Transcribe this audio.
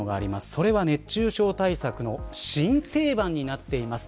それは熱中症対策の新定番になっています